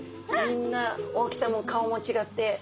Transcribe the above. みんな大きさも顔も違って。